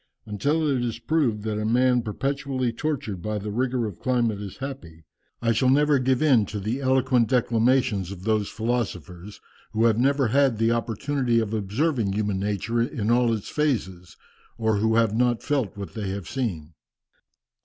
Until it is proved that a man perpetually tortured by the rigour of a climate is happy, I shall never give in to the eloquent declamations of those philosophers who have never had the opportunity of observing human nature in all its phases, or who have not felt what they have seen."